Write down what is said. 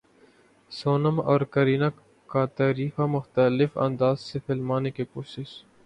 سونم اور کرینہ کا تعریفاں مختلف انداز سے فلمانے کی کوشش